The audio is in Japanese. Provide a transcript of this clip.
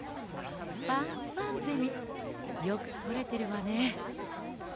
ファンファンゼミよくとれてるわね。